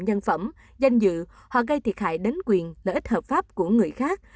nhân phẩm danh dự họ gây thiệt hại đến quyền lợi ích hợp pháp của người khác